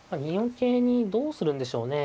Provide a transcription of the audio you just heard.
桂にどうするんでしょうね。